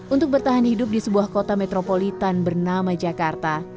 untuk bertahan hidup di sebuah kota metropolitan bernama jakarta